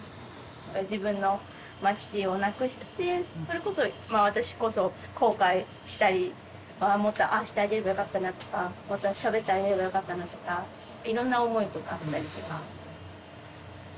自分の父を亡くしてそれこそ私こそ後悔したりああもっとああしてあげればよかったなとかしゃべってあげればよかったなとかいろんな思いとかあったりとか。